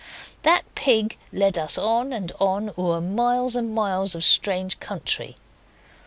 That pig led us on and on, o'er miles and miles of strange country.